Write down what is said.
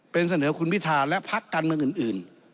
เป็นเสนอคุณวิทาและพักกันบางอย่างอื่น